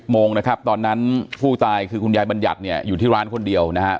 โมงนะครับตอนนั้นผู้ตายคือคุณยายบัญญัติเนี่ยอยู่ที่ร้านคนเดียวนะฮะ